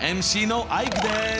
ＭＣのアイクです！